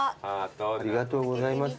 ありがとうございます。